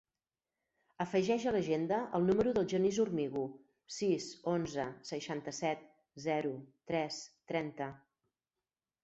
Afegeix a l'agenda el número del Genís Hormigo: sis, onze, seixanta-set, zero, tres, trenta.